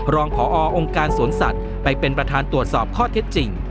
รองพอองค์การสวนสัตว์ไปเป็นประธานตรวจสอบข้อเท็จจริง